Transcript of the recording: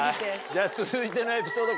じゃ続いてのエピソード